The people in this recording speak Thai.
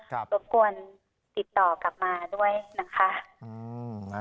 รบกวนติดต่อกลับมาด้วยนะคะ